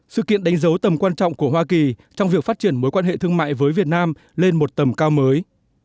sự kiện đánh dấu tầm quan trọng của hoa kỳ trong việc phát triển mối quan hệ thương mại với việt nam lên một tầm cao mới